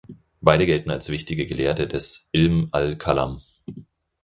Beide gelten als wichtige Gelehrte des Ilm al-Kalam.